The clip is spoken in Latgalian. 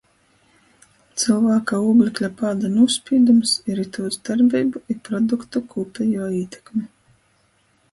Cylvāka ūglekļa pāda nūspīdums ir itūs darbeibu i produktu kūpejuo ītekme.